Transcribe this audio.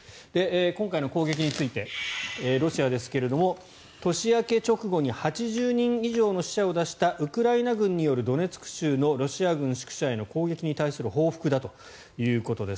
今回の攻撃についてロシアですが年明け直後に８０人以上の死者を出したウクライナ軍によるドネツク州のロシア軍宿舎への攻撃に対する報復だということです。